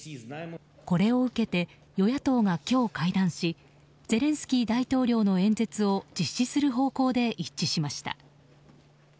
これを受けて与野党が今日会談しゼレンスキー大統領の演説を実施する方向で一致しました。